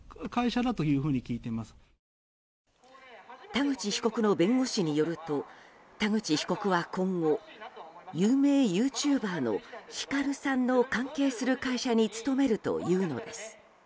田口被告の弁護士によると田口被告は今後有名ユーチューバーのヒカルさんの関係する会社に勤めるというのです。